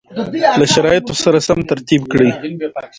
له شرایطو سره سم ترتیب کړي